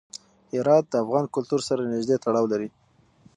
هرات د افغان کلتور سره نږدې تړاو لري.